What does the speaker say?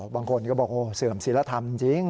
บางคนก็บอกเสื่อมศิลธรรมจริง